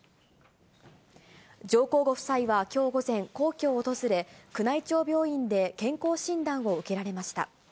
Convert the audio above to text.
上皇ご夫妻はきょう午前、皇居を訪れ、宮内庁病院で健康診断を受けられました。